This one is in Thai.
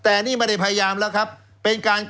แล้วเขาก็ใช้วิธีการเหมือนกับในการ์ตูน